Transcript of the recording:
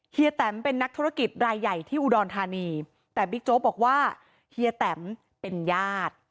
แตมเป็นนักธุรกิจรายใหญ่ที่อุดรธานีแต่บิ๊กโจ๊กบอกว่าเฮียแตมเป็นญาติ